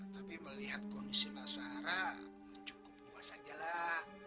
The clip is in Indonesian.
tapi melihat kondisi mas sarah cukup dua sajalah